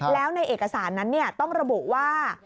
แล้วในเอกสารนั้นต้องระบุว่า